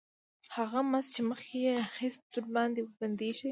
هغه مزد چې مخکې یې اخیست ورباندې بندېږي